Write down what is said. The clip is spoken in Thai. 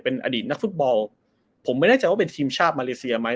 เป็นอดีตนักฟุตบอลผมไม่แน่ใจว่าเป็นทีมชาติมาเลเซียไหม